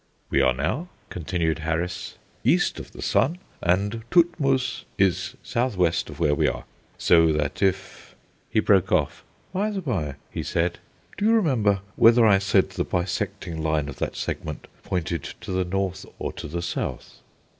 "We are now," continued Harris, "east of the sun, and Todtmoos is south west of where we are. So that if " He broke off. "By the by," he said, "do you remember whether I said the bisecting line of that segment pointed to the north or to the south?"